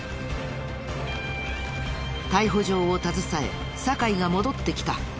逮捕状を携え酒井が戻ってきた。